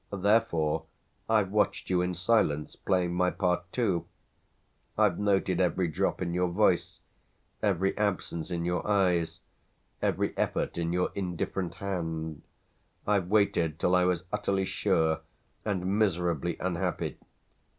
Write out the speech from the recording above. Therefore I've watched you in silence, playing my part too; I've noted every drop in your voice, every absence in your eyes, every effort in your indifferent hand: I've waited till I was utterly sure and miserably unhappy.